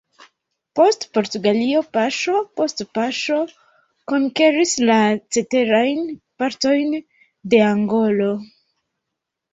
Poste Portugalio paŝo post paŝo konkeris la ceterajn partojn de Angolo.